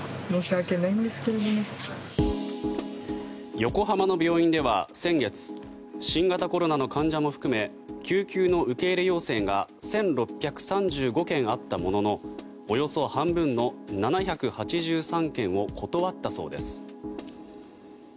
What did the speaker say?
横浜の病院では先月新型コロナの患者も含め救急の受け入れ要請が１６３５件あったもののおよそ半分の７８３件を断ったそうです。